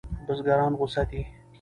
بزګران غوسه دي.